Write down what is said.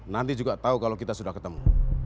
nanti juga tahu kalau kita sudah ketemu